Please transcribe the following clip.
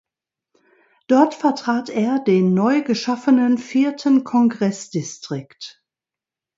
Dort vertrat er den neu geschaffenen vierten Kongressdistrikt.